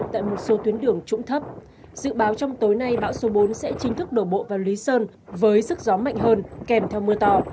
tại một số tuyến đường trũng thấp dự báo trong tối nay bão số bốn sẽ chính thức đổ bộ vào lý sơn với sức gió mạnh hơn kèm theo mưa to